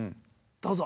どうぞ。